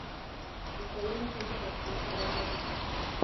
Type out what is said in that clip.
عیسویانو ته ځکه سپېڅلی دی.